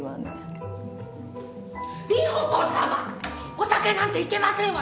お酒なんていけませんわ！